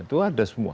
itu ada semua